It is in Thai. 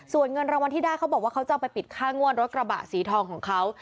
ส่วนเงินรางวัลที่ได้เขาบอกว่าเขาจะเอาไปปิดค่างวดรถกระบะสีทองของเขา